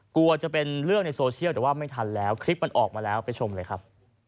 กลัวจะเป็นเรื่องในโซเชียลแต่ว่าไม่ทันแล้วคลิปมันออกมาแล้วไปชมเลยครับ